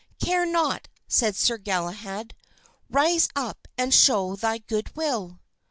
"Care not," said Sir Galahad. "Rise up and show thy good will."